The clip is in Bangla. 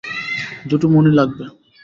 দুটো মণি লাগবে।